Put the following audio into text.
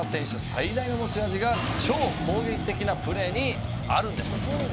最大の持ち味が超攻撃的なプレーにあるんです。